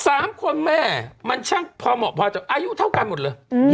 สามคนแม่มันช่างพรหมดพาชกอนุอยู่เท่ากันหมดเลย